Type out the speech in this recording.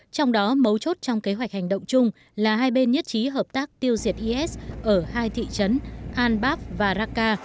trong đó mấu chốt trong kế hoạch hành động chung là hai bên nhất trí hợp tác tiêu diệt is ở hai thị trấn anbab và raqqa